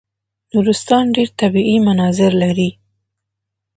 نورستان ډېر طبیعي مناظر لري.